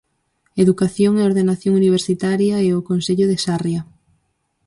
Educación e Ordenación Universitaria e o Concello de Sarria.